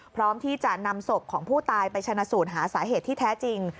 พร้อมที่จะนำศพของผู้ตายไปชนะสูตรหาสาเหตุที่แท้จริง